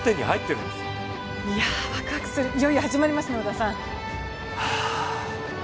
いよいよ始まります、織田さん。